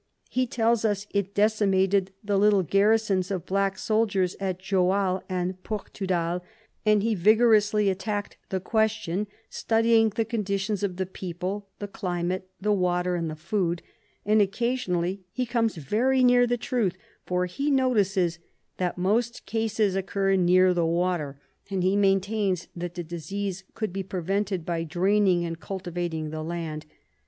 He tells us it decimated the little garrisons of black soldiers at Joal and Portudal, and he vigorously attacked the question, studying the conditions of the people, the climate, the water, and the food, and occasionally he comes very near the truth, for he notices that most cases occur near the water, and he maintains that the disease could be prevented by draining and cultivating the land.